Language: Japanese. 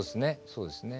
そうですね